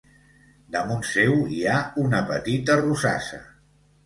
Damunt seu hi ha una petita rosassa.